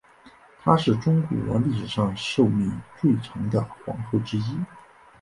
她是中国历史上寿命最长的皇后之一。